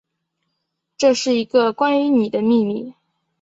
这是一个关于妳的秘密